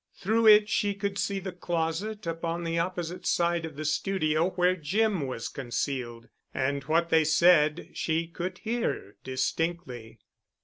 Through it she could see the closet upon the opposite side of the studio where Jim was concealed, and what they said she could hear distinctly.